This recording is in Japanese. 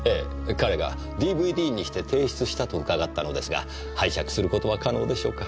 彼がＤＶＤにして提出したと伺ったのですが拝借することは可能でしょうか？